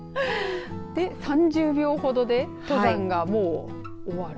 ３０秒ほどで登山がもう終わる。